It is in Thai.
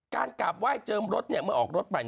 การกราบไหว้เจิมรถเมื่อออกรถไป